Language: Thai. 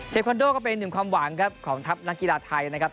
คอนโดก็เป็นหนึ่งความหวังครับของทัพนักกีฬาไทยนะครับ